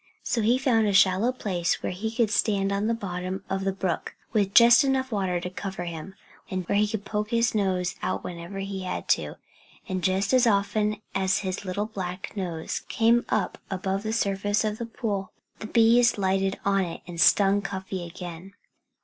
So he found a shallow place where he could stand on the bottom of the brook, with just enough water to cover him, and where he could poke his nose out whenever he had to. And just as often as his little black nose came up above the surface of the pool the bees lighted on it and stung Cuffy again.